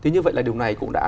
như vậy là điều này cũng đã